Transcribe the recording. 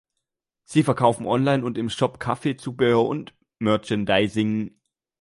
Sie verkauft online und im Shop Kaffee, Zubehör und Merchandising.